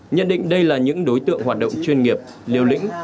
nhận định đây là những đối tượng hoạt động chuyên nghiệp liều lĩnh